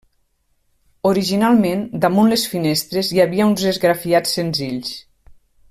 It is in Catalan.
Originalment, damunt les finestres hi havia uns esgrafiats senzills.